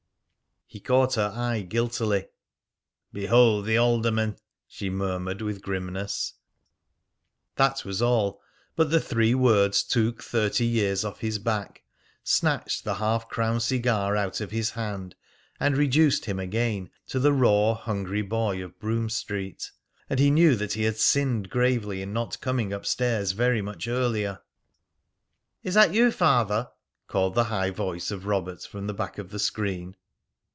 He caught her eye guiltily. "Behold the alderman!" she murmured with grimness. That was all. But the three words took thirty years off his back, snatched the half crown cigar out of his hand, and reduced him again to the raw, hungry boy of Brougham Street. And he knew that he had sinned gravely in not coming up stairs very much earlier. "Is that you, Father?" called the high voice of Robert from the back of the screen.